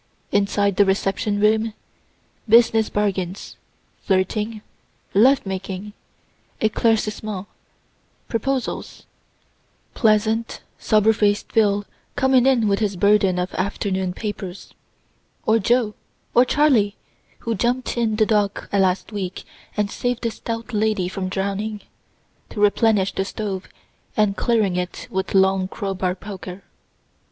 Inside the reception room, business bargains, flirting, love making, eclaircissements, proposals pleasant, sober faced Phil coming in with his burden of afternoon papers or Jo, or Charley (who jump'd in the dock last week, and saved a stout lady from drowning,) to replenish the stove, and clearing it with long crow bar poker.